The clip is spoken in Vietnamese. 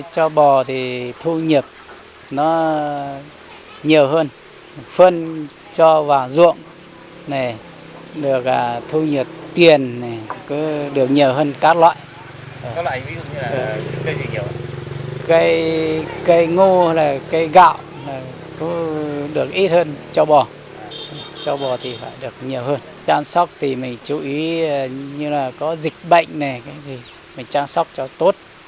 chăm sóc thì mình chú ý như là có dịch bệnh này mình chăm sóc cho tốt